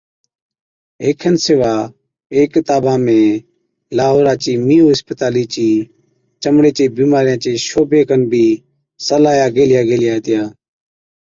اي کن سِوا اي ڪِتابا ۾ لاهورا چِي مِيئو اِسپتالِي چي چمڙِي چي بِيمارِيان چي شعبي کن بِي صلاحِيا گيهلِيا گيلِيا هِتِيا۔